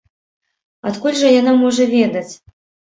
Адкуль жа яна можа ведаць?